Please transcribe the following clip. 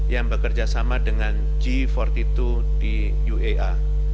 yang bekerjasama dengan g empat puluh dua di uae